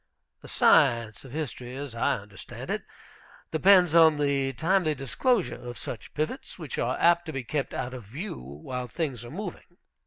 The science of history, as I understand it, depends on the timely disclosure of such pivots, which are apt to be kept out of view while things are moving.